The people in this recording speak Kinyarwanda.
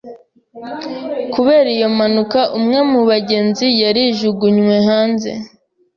Kubera iyo mpanuka, umwe mu bagenzi yarijugunywe hanze.